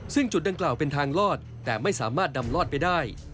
ซึ่งจุดดังกล่าวเป็นทางลอดแต่ไม่สามารถดำลอดไปได้